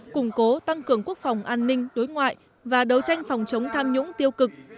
củng cố tăng cường quốc phòng an ninh đối ngoại và đấu tranh phòng chống tham nhũng tiêu cực